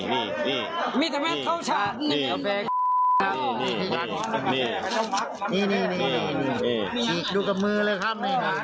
นี้นี่นี้นี่ดูกับมือเลยครับ